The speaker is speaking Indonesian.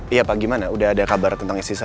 iya pak gimana udah ada kabar tentang istri saya